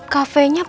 cafe nya pun